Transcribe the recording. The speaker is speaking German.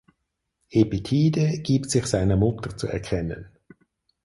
Epitide gibt sich seiner Mutter zu erkennen.